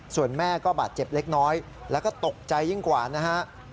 ส่วนแม่ก็บาดเจ็บเล็กน้อยแล้วก็ตกใจยิ่งกว่านะฮะ